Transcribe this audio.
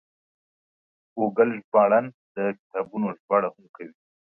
ګوګل ژباړن د کتابونو ژباړه هم کوي.